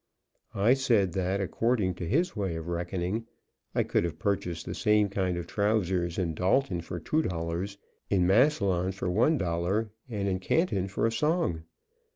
I said that according to his way of reckoning I could have purchased the same kind of trousers in Dalton for $2, in Massillon for $1, and in Canton for a song.